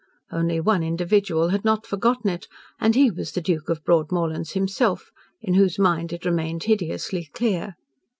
Only one individual had not forgotten it, and he was the Duke of Broadmorlands himself, in whose mind it remained hideously clear.